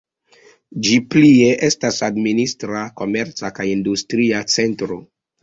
Ĝi plie estas administra, komerca kaj industria centro.